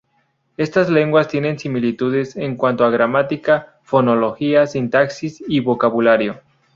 Estas lenguas tienen similitudes en cuanto a gramática, fonología, sintaxis y vocabulario.